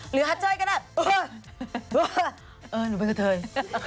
หรือฮัทเจ้ยก็แบบเคอ่เอ่นี่เป็นกาเทย